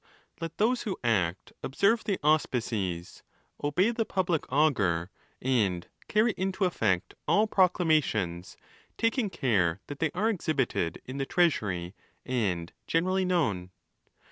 Let those who act observe the auspices ; DE NAT. ETC. H 466 ON THE LAWS. obey the public augur; and carry into effect all proclama tions, taking care that they are exhibited in the treasury, and generally known.